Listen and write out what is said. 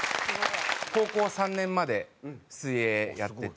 高校３年まで水泳やってて。